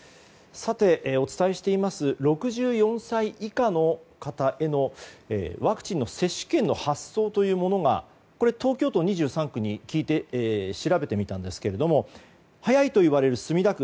さて、お伝えしています６４歳以下の方へのワクチンの接種券の発送というものがこれ東京２３区に聞いて調べてみたんですが早いといわれる墨田区。